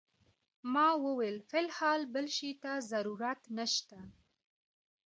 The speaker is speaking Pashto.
ما وویل فی الحال بل شي ته ضرورت نه شته.